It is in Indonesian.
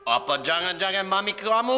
apa jangan jangan mami keramu